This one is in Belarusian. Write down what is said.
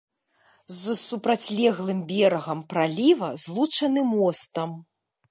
З супрацьлеглым берагам праліва злучаны мостам.